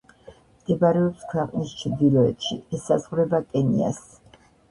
მდებარეობს ქვეყნის ჩრდილოეთში, ესაზღვრება კენიას.